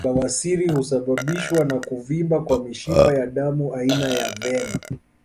Bawasiri husababishwa na kuvimba kwa mishipa ya damu aina ya vena